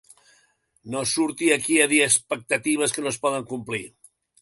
No surti aquí a dir expectatives que no es poden complir.